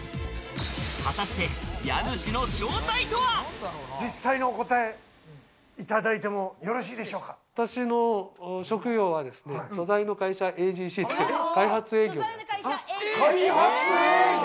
果たして家主の正体とは？実際の答え、いただいてもよ私の職業は、素材の会社ＡＧＣで開発営業を。